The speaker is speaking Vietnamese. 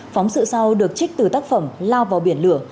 phóng sự sau được trích từ tác phẩm lao vào biển lửa